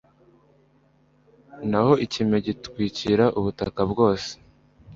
naho ikime gitwikira ubutaka bwose